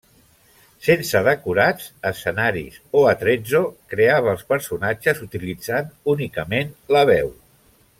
Sense decorats, escenaris o attrezzo, creava els personatges utilitzant únicament la veu.